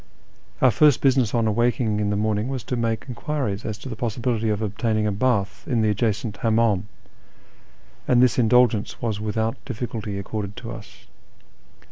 Our first business on awaking in the morning was to make enquiries as to the possibility of obtaining a bath in the adjacent licmimdm, and this indulgence was without difficulty accorded to us.